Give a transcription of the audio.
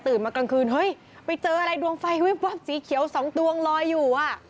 มากลางคืนเฮ้ยไปเจออะไรดวงไฟวิบวับสีเขียวสองดวงลอยอยู่อ่ะ